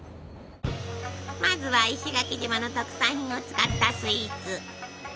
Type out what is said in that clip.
まずは石垣島の特産品を使ったスイーツ！